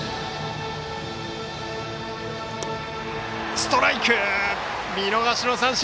ストライク、見逃し三振！